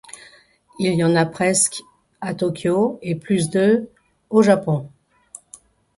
Il y en a presque à Tokyo et plus de au Japon.